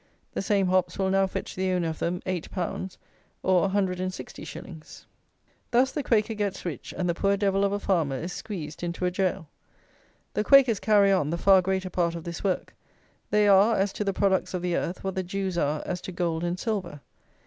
The same hops will now fetch the owner of them eight pounds, or a hundred and sixty shillings. Thus the Quaker gets rich, and the poor devil of a farmer is squeezed into a gaol. The Quakers carry on the far greater part of this work. They are, as to the products of the earth, what the Jews are as to gold and silver.